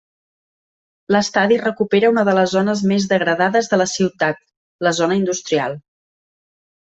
L'estadi recupera una de les zones més degradades de la ciutat: la zona industrial.